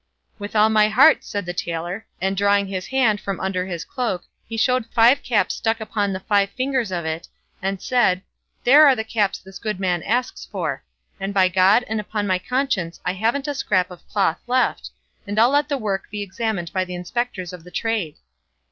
"With all my heart," said the tailor; and drawing his hand from under his cloak he showed five caps stuck upon the five fingers of it, and said, "there are the caps this good man asks for; and by God and upon my conscience I haven't a scrap of cloth left, and I'll let the work be examined by the inspectors of the trade."